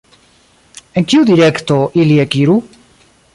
En kiu direkto ili ekiru?